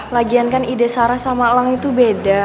lagian kan ide sarah sama elang itu beda